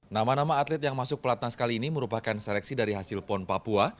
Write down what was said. nama nama atlet yang masuk pelatnas kali ini merupakan seleksi dari hasil pon papua